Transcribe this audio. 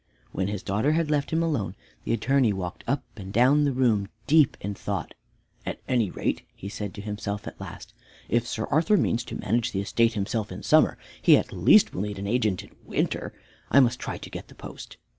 When his daughter had left him atone, the Attorney walked up and down the room deep in thought. "At any rate," he said to himself at last, "if Sir Arthur means to manage the estate himself in summer, he at least will need an agent in winter. I must try to get the post."